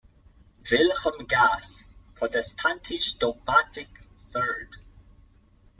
Wilhelm Gass, "Protestantische Dogmatik", iii.